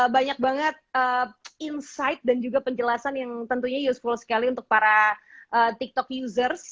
banyak banget insight dan juga penjelasan yang tentunya useful sekali untuk para tiktok users